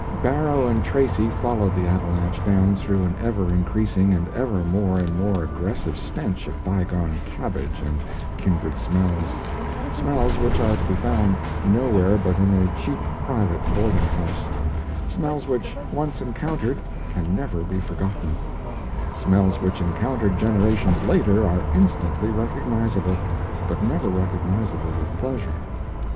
Barrow and Tracy followed the avalanche down through an ever increasing and ever more and more aggressive stench of bygone cabbage and kindred smells; smells which are to be found nowhere but in a cheap private boarding house; smells which once encountered can never be forgotten; smells which encountered generations later are instantly recognizable, but never recognizable with pleasure.